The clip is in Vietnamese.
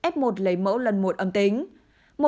f một lấy mẫu lần một âm tính